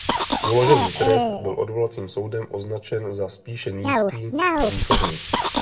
Uložený trest byl odvolacím soudem označen za spíše nízký a výchovný.